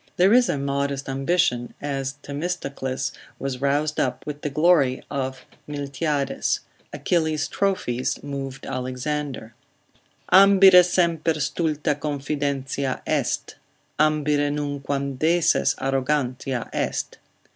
There is a modest ambition, as Themistocles was roused up with the glory of Miltiades; Achilles' trophies moved Alexander, Ambire semper stulta confidentia est, Ambire nunquam deses arrogantia est.